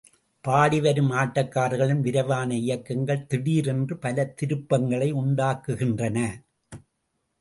பாடி வரும் ஆட்டக்காரர்களின் விரைவான இயக்கங்கள் திடீர் என்று பல திருப்பங்களை உண்டாக்குகின்றன.